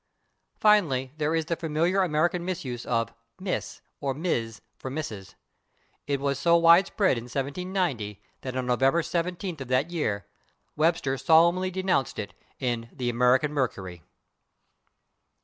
Finally, there is the familiar American misuse of /Miss/ or /Mis'/ for /Mrs./. It was so widespread by 1790 that on November 17 of that year Webster solemnly denounced it in the /American Mercury